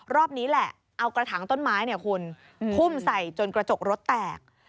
รอบนี้แหละเอากระถางต้นไม้เนี่ยคุณทุ่มใส่จนกระจกรถแตก